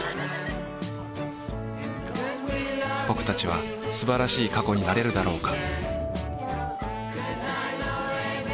ぼくたちは素晴らしい過去になれるだろうか